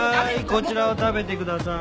こちらを食べてください。